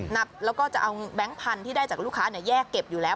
นับแล้วก็จะเอาแบงค์พันธุ์ที่ได้จากลูกค้าแยกเก็บอยู่แล้ว